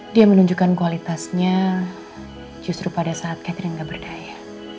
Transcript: dia menunjukkan kualitasnya justru pada saat catherine tidak berdaya